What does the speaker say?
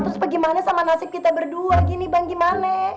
terus bagaimana sama nasib kita berdua gini bang gimana